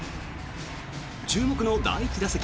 注目の第１打席。